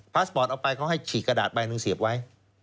สปอร์ตเอาไปเขาให้ฉีกกระดาษใบหนึ่งเสียบไว้